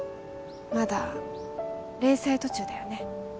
まだ連載途中だよね